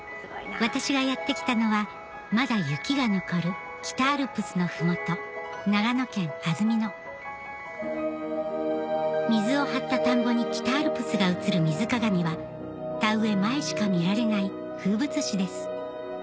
私がやって来たのはまだ雪が残る北アルプスの麓水を張った田んぼに北アルプスが映る水鏡は田植え前しか見られない風物詩です